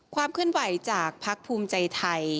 ความขึ้นไหวจากพักภูมิใจไทย